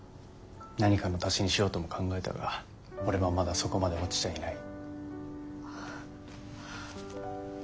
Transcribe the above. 何かの足しにしようとも考えたが俺はまだそこまで落ちちゃいない。